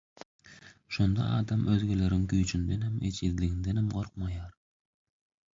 şonda adam özgeleriň güýjündenem, ejizligindenem gorkmaýar.